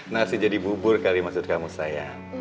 nasi jadi bubur kali maksud kamu saya